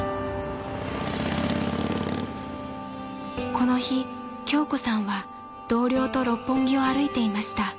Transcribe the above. ［この日京子さんは同僚と六本木を歩いていました］